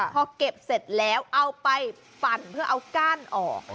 พอเก็บเสร็จแล้วเอาไปปั่นเพื่อเอาก้านออก